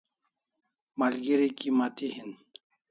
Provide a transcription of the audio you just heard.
Malgeri kimati hin